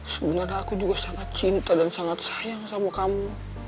sebenarnya aku juga sangat cinta dan sangat sayang sama kamu